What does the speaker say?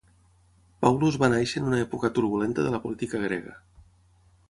Pavlos va néixer en una època turbulenta de la política grega.